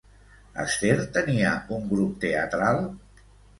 Ester tenia un grup teatral?